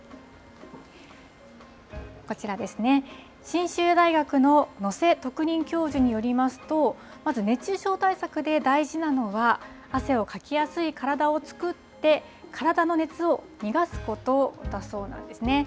信州大学の能勢特任教授によりますと、まず熱中症対策で大事なのは、汗をかきやすい体を作って、体の熱を逃がすことだそうなんですね。